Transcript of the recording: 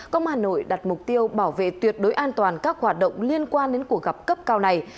công an hà nội đặt mục tiêu bảo vệ tuyệt đối an toàn các hoạt động liên quan đến cuộc gặp cấp cao này